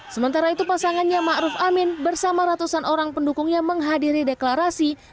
sementara itu pasangannya ma'ruf amin bersama ratusan orang pendukungnya menghadiri deklarasi